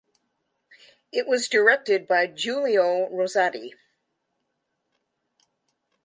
It was directed by Giulio Rosati.